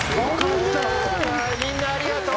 みんなありがとう。